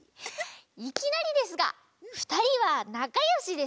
いきなりですがふたりはなかよしですか？